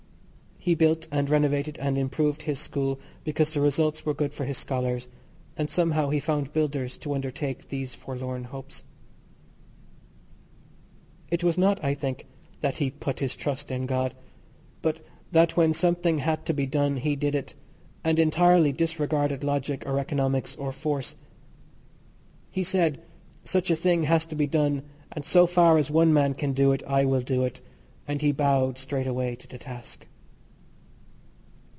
He built and renovated and improved his school because the results were good for his scholars, and somehow he found builders to undertake these forlorn hopes. It was not, I think, that he "put his trust in God," but that when something had to be done he did it, and entirely disregarded logic or economics or force. He said such a thing has to be done and so far as one man can do it I will do it, and he bowed straightaway to the task.